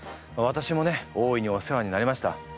私もね大いにお世話になりました。